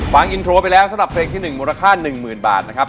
ฟังอินโทรไปแล้วสำหรับเพลงที่๑มูลค่า๑๐๐๐บาทนะครับ